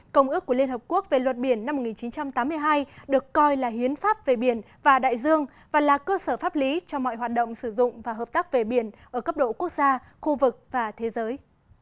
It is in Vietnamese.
công ước của liên hợp quốc về luật biển năm một nghìn chín trăm tám mươi hai được coi là hiến pháp về biển và đại dương và là cơ sở pháp lý cho mọi hoạt động sử dụng và hợp tác về biển ở cấp độ quốc gia khu vực và thế giới